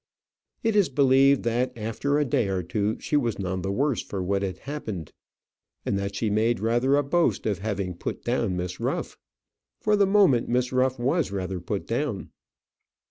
It is believed that after a day or two she was none the worse for what had happened, and that she made rather a boast of having put down Miss Ruff. For the moment, Miss Ruff was rather put down.